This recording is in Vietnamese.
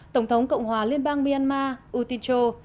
tổng thống cộng hòa liên bang myanmar u tin cho